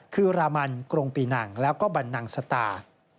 คือรามันกรงปีนังแล้วก็บรรนังสตา